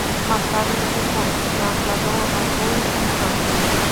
Más tarde, el grupo se trasladó a Wellington Front.